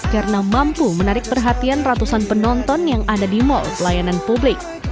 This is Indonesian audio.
karena mampu menarik perhatian ratusan penonton yang ada di mal pelayanan publik